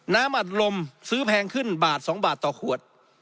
อัดลมซื้อแพงขึ้นบาท๒บาทต่อขวด